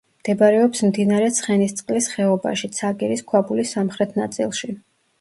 მდებარეობს მდინარე ცხენისწყლის ხეობაში, ცაგერის ქვაბულის სამხრეთ ნაწილში.